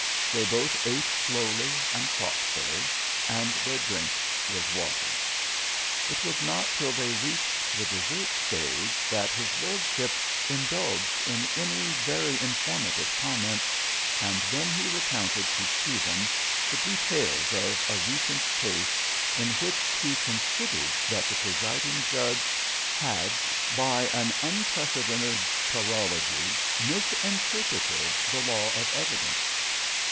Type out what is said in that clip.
They both ate slowly and thoughtfully, and their drink was water. It was not till they reached the dessert stage that his lordship indulged in any very informative comment, and then he recounted to Stephen the details of a recent case in which he considered that the presiding judge had, by an unprecedented paralogy, misinterpreted the law of evidence.